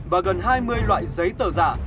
và gần hai mươi loại giấy tờ giả